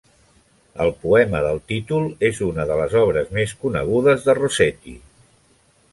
El poema del títol és una de les obres més conegudes de Rossetti.